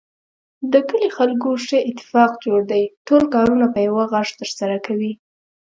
د کلي خلکو ښه اتفاق جوړ دی. ټول کارونه په یوه غږ ترسره کوي.